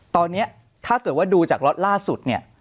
ตอนนี้ถ้าเกิดว่าดูจากล็อตล่าสุดเนี่ย